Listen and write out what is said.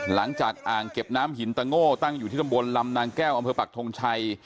อ่างเก็บน้ำหินตะโง่ตั้งอยู่ที่ตำบลลำนางแก้วอำเภอปักทงชัย